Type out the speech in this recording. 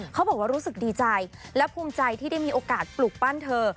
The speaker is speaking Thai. เขาบอกว่ารู้สึกดีใจและภูมิใจที่ได้มีโอกาสปลูกปั้นเธอ